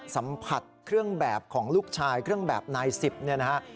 สัมผัสเครื่องแบบของลูกชายเครื่องแบบนายสิบเนี่ยนะฮะ